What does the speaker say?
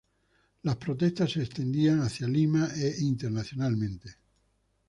Las protestas se extenderían hacia Lima e internacionalmente.